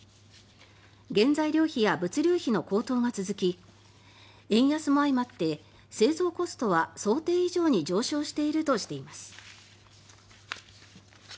原材料費や物流費の高騰が続き円安も相まって製造コストは想定以上に上昇しているとしています。